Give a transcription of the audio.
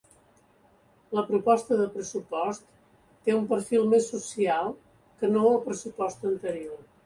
La proposta de pressupost té un perfil més social que no el pressupost anterior.